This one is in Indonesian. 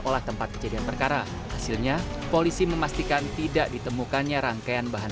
olah tempat kejadian perkara hasilnya polisi memastikan tidak ditemukannya rangkaian bahan